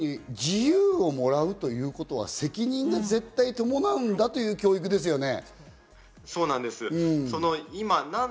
さらに自由をもらうということは責任が絶対伴うんだという教育ですよね。